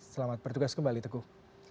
selamat bertugas kembali teguh